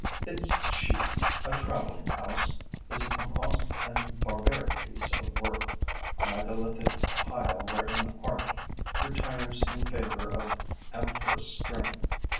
Its sheath, a travelling house, is a composite and barbaric piece of work, a megalithic pile wherein art, retires in favor of amorphous strength.